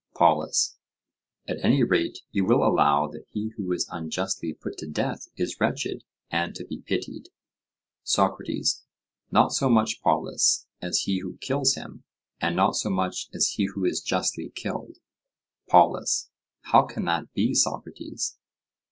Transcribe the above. POLUS: At any rate you will allow that he who is unjustly put to death is wretched, and to be pitied? SOCRATES: Not so much, Polus, as he who kills him, and not so much as he who is justly killed. POLUS: How can that be, Socrates?